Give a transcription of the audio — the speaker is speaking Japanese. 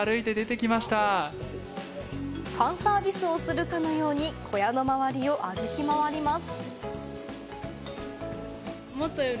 ファンサービスをするかのように小屋の周りを歩き回ります。